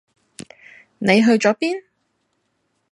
你去左邊？